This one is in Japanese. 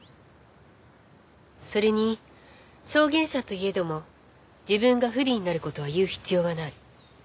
それに証言者といえども自分が不利になる事は言う必要はない。